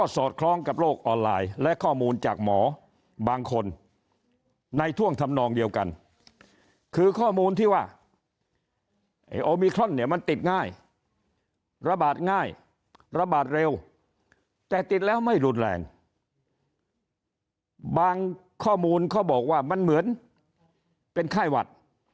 สอดคล้องกับโลกออนไลน์และข้อมูลจากหมอบางคนในท่วงทำนองเดียวกันคือข้อมูลที่ว่าไอ้โอมิครอนเนี่ยมันติดง่ายระบาดง่ายระบาดเร็วแต่ติดแล้วไม่รุนแรงบางข้อมูลเขาบอกว่ามันเหมือนเป็นไข้หวัด